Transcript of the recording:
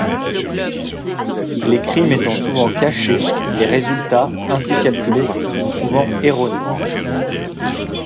Les crimes étant souvent cachés, les résultats ainsi calculés sont souvent erronés.